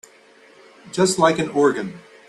Just like an organ.